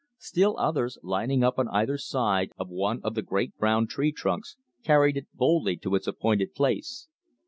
Still others, lining up on either side of one of the great brown tree trunks, carried it bodily to its appointed place.